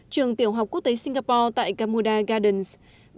sáu trường tiểu học quốc tế singapore tại gamuda gardens